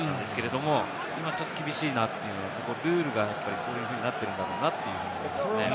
今ちょっと厳しいなというのはルールがそういうふうになっているんだろうなと思いますね。